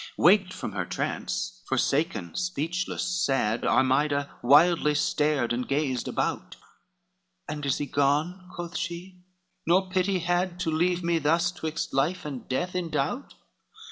LXII Waked from her trance, foresaken, speechless, sad, Armida wildly stared and gazed about, "And is he gone," quoth she, "nor pity had To leave me thus twixt life and death in doubt?